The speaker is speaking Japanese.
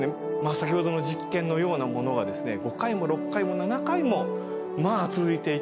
先ほどの実験のようなものが５回も６回も７回もまあ続いていて。